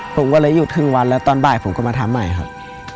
ผมก็เลยหยุดครึ่งวันแล้วตอนบ่ายผมก็มาทำใหม่ครับ